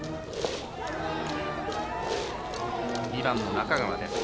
２番の中川です。